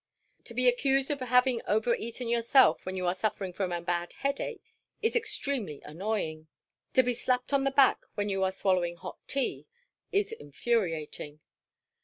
To be accused of having overeaten yourself when you are suffering from a bad headache is extremely annoying; to be slapped on the back when you are swallowing hot tea is infuriating.